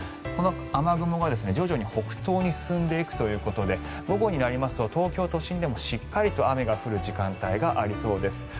この雨雲が徐々に北東に進んでいくということで午後になると東京都心でもしっかりと雨が降る時間帯がありそうです。